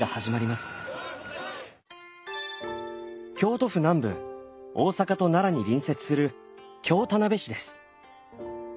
京都府南部大阪と奈良に隣接する京田辺市です。